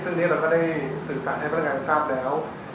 ซึ่งนี้เราก็ได้สื่อสารให้พนักงานทราบแล้ว